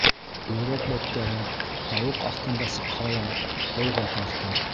Өйрәк бәпкәһе тауыҡ аҫтында сыҡһа ла, һыуға тартыр.